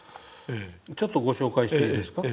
ちょっとご紹介していいですか？